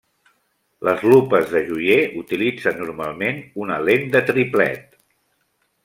Les lupes de joier utilitzen normalment una lent de triplet.